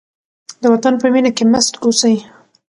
د وطن په مینه کې مست اوسئ.